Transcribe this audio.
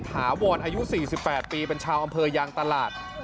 ถาวรอายุสี่สิบแปดปีเป็นชาวอำเภยางตลาด